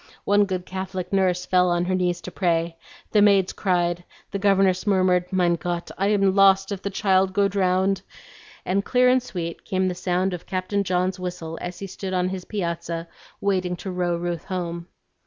One good Catholic nurse fell on her knees to pray; the maids cried, the governess murmured, "Mein Gott, I am lost if the child go drowned!" and clear and sweet came the sound of Captain John's whistle as he stood on his piazza waiting to row Ruth home.